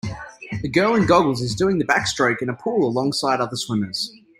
A girl in goggles is doing the backstroke in a pool along side other swimmers.